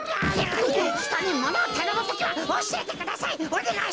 ひとにものをたのむときは「おしえてください」「おねがいします」だろ！